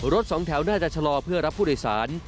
สองแถวน่าจะชะลอเพื่อรับผู้โดยสาร